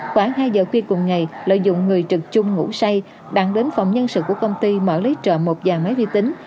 khoảng hai giờ khuya cùng ngày lợi dụng người trực chung ngủ say đặng đến phòng nhân sự của công ty mở lấy trợ một dàn máy vi tính